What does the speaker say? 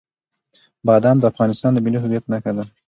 بادام د افغانستان د ملي هویت نښه ده.